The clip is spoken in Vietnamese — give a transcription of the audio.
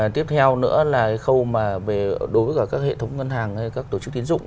tiếp theo nữa là cái khâu mà đối với cả các hệ thống ngân hàng hay các tổ chức tiến dụng